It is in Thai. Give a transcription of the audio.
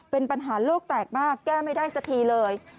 เป็นปัญหาโลกแตกมากแก้ไม่ได้สักทีเลย